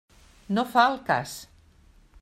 No fa al cas.